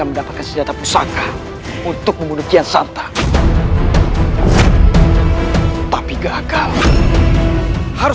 mendapatkan senjata pusaka untuk membunuh tiansanta tapi gagal harus